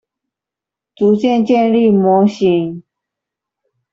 逐漸建立模型